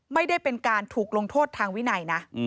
ไม่ได้เป็นการถูกลงโทษทางวินัยนะ